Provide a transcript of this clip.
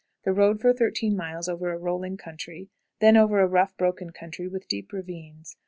The road for thirteen miles runs over a rolling country, then over a rough, broken country, with deep ravines.